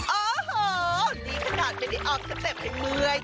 โอ้โหดีขนาดไม่ได้ออกสเต็ปในเมื่อย